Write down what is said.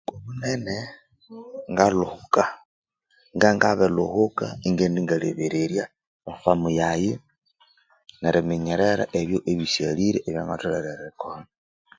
Obuthuku bunene ngalhuhuka nga nga bilhuhuka ingaghenda ingalebererya omwa famu yayi neriminyerera ebyo ebisighalire ebya ngatholere erikolha